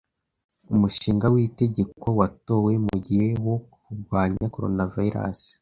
Umushinga w'itegeko watowe mugihe wo kurwanya Coronavirusi